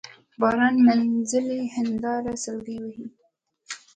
باران مينځلي هينداري سلګۍ وهي